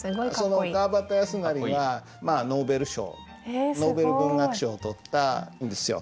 その川端康成がノーベル賞ノーベル文学賞を取ったんですよ。